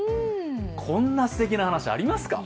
こんなすてきな話、ありますか？